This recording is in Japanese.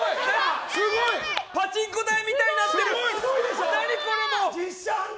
パチンコ台みたいになってる！